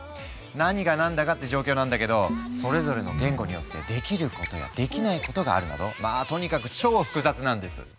何がなんだかって状況なんだけどそれぞれの言語によってできることやできないことがあるなどまあとにかく超複雑なんです。